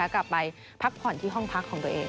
กลับไปพักผ่อนที่ห้องพักของตัวเอง